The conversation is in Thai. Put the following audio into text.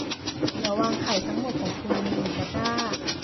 อย่าวางไข่ทั้งหมดของคุณในหนึ่งตะกร้า